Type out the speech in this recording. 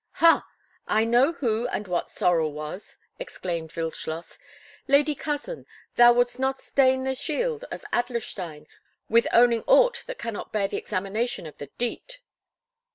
"Ha! I know who and what Sorel was!" exclaimed Wildschloss. "Lady cousin, thou wouldst not stain the shield of Adlerstein with owning aught that cannot bear the examination of the Diet!"